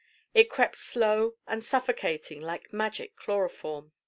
It crept slow and suffocating like magic chloroform.